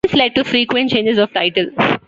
This led to frequent changes of title.